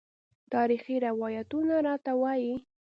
تاریخي روایتونه راته وايي.